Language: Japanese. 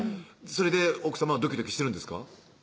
それで奥さまはドキドキしてるんですか？